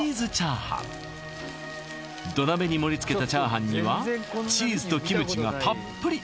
土鍋に盛りつけた炒飯にはチーズとキムチがたっぷり！